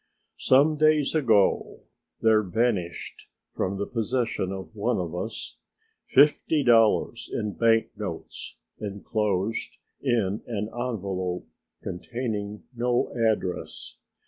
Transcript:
Some days ago there vanished from the possession of one of us fifty dollars in bank notes enclosed in an envelope containing no address.